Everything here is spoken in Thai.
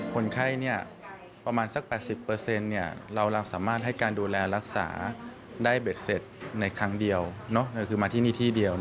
คนไข้ประมาณสัก๘๐เราสามารถให้การดูแลรักษาได้เบ็ดเสร็จในครั้งเดียวคือมาที่นี่ที่เดียว